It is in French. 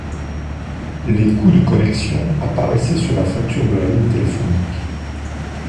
Les coûts de connexion apparaissaient sur la facture de la ligne téléphonique.